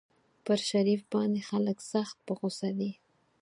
پر شريف باندې خلک سخت په غوسه دي.